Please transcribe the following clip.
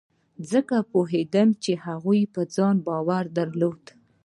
ځکه زه پوهېدم چې هغه په ځان باور درلود.